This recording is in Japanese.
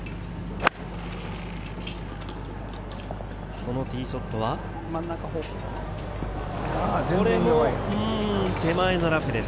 そのティーショットは、これも手前のラフです。